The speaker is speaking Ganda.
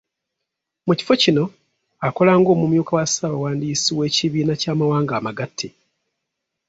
Mu kifo kino akola ng'omumyuka wa ssabawandiisi w'Ekibiina ky'amawanga Amagate